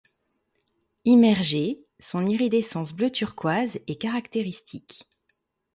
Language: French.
Immergée, son iridescence bleu turquoise est caractéristique.